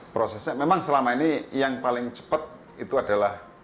prosesnya memang selama ini yang paling cepat itu adalah